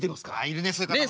いるねそういう方もね。